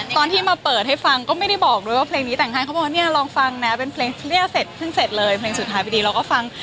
ตอนที่มาเปิดให้ฟังก็ไม่ได้บอกด้วยว่าเพลงนี้แต่งให้เขาบอกว่าเนี่ยลองฟังนะเป็นเพลงเปรี้ยวเสร็จเพิ่งเสร็จเลยเพลงสุดท้ายพอดีเราก็ฟัง